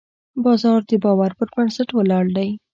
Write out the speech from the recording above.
بازار د باور پر بنسټ ولاړ دی.